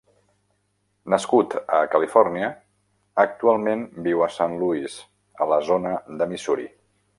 Nascut a Califòrnia, actualment viu a Saint Louis, a la zona de Missouri.